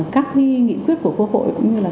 các nghị quyết của quốc hội cũng như là